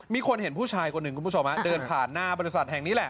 มีคนเห็นผู้ชายคนหนึ่งคุณผู้ชมเดินผ่านหน้าบริษัทแห่งนี้แหละ